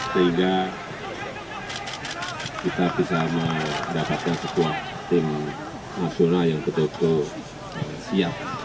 sehingga kita bisa mendapatkan sebuah tim nasional yang betul betul siap